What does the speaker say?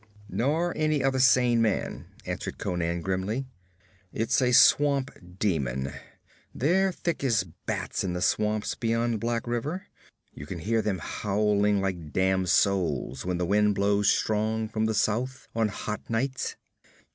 'Nor any other sane man,' answered Conan grimly. 'It's a swamp demon they're thick as bats in the swamps beyond Black River. You can hear them howling like damned souls when the wind blows strong from the south on hot nights.'